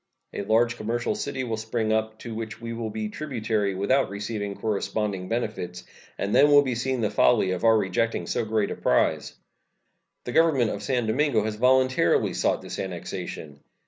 A large commercial city will spring up, to which we will be tributary without receiving corresponding benefits, and then will be seen the folly of our rejecting so great a prize. The Government of San Domingo has voluntarily sought this annexation.